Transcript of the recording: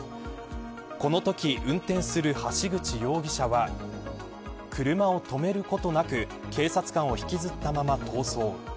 このとき運転する橋口容疑者は車を止めることなく警察官を引きずったまま逃走。